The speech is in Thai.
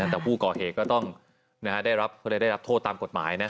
แต่ผู้ก่อเหตุก็ต้องได้รับโทษตามกฎหมายนะ